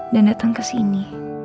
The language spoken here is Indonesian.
dan datang kesini